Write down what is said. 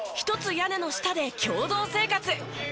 屋根の下で共同生活。